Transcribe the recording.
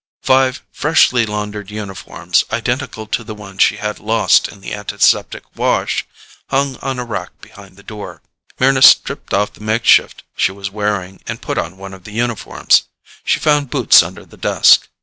Five freshly laundered uniforms, identical to the one she had lost in the antiseptic wash, hung on a rack behind the door. Mryna stripped off the makeshift she was wearing and put on one of the uniforms; she found boots under the desk.